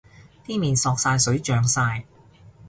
啲麵索晒水脹晒